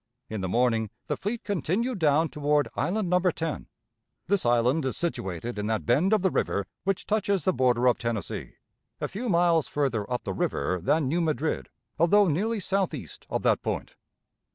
In the morning the fleet continued down toward Island No. 10. This island is situated in that bend of the river which touches the border of Tennessee, a few miles further up the river than New Madrid, although nearly southeast of that point.